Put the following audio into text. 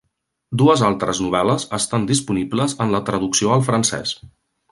Dues altres novel·les estan disponibles en la traducció al francès.